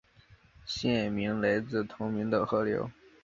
县名来自同名的河流。